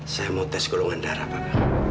saya mau tes golongan darah bapak